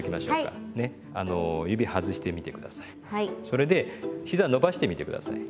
それでひざ伸ばしてみて下さい。